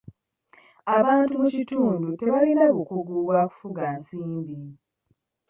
Abantu mu kitundu tebalina bukugu bwa kufuga nsimbi.